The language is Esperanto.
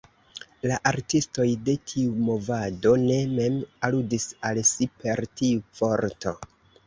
La artistoj de tiu movado ne mem aludis al si per tiu vorto.